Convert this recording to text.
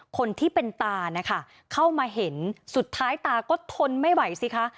คนที่เป็นตานะคะเข้ามาเห็นสุดท้ายตาก็ทนไม่ไหวสิคะ